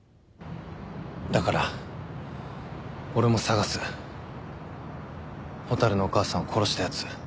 だから俺も捜す蛍のお母さんを殺したやつ。